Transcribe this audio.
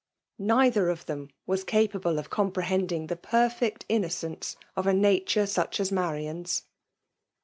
Neither of them was capable oi comprehending the perfect innocence of a Ujaturo such as Marian's.